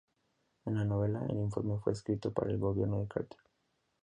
En la novela, el informe fue escrito para el "gobierno de Carter".